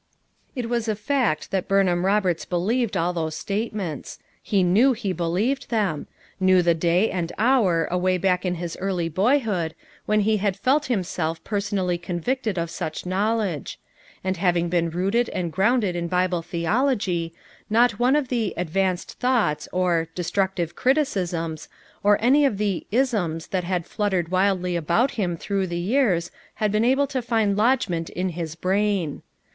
It was a fact that Burnham Roberts believed all those statements; knew he believed them; knew the day and hour away back in his early boyhood when he had felt himself personally convicted of such knowledge; and having been rooted and grounded in Bible theology not ono of the "advanced thoughts" or "destructive criticisms" or any of the "isms" that had fluttered wildly about him through the years had been able to find lodgment in his brain.